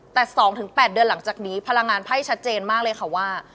แต่๒๘เดือนหลังจากนี้พลังงานไพ่ชัดเจนมากเลยค่ะว่า